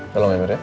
tolong ember ya